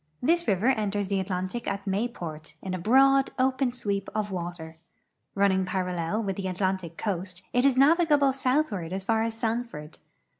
This river enters the Atlantic at Mayport, in a broad, open sweep of water. Running parallel with the Atlantic coast, it is navigable southward as far as Sanford.